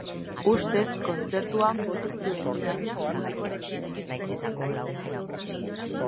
Ustez, kontzertuan bota zituen irainak, publikoarekin hitz egiten ari zenean.